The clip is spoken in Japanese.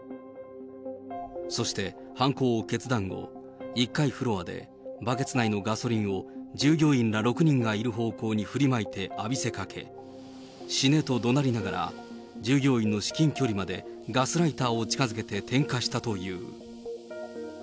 そして犯行を決断後、１階フロアでバケツ内のガソリンを従業員ら６人がいる方向に振りまいて浴びせかけ、死ねとどなりながら、従業員の至近距離までガスライターを近づけて点火したという。